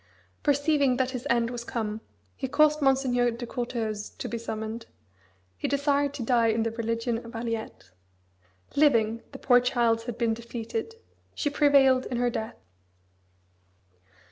Perceiving that his end was come, he caused Monseigneur de Courteheuse to be summoned he desired to die in the religion of Aliette. Living, the poor child had been defeated: she prevailed in her death.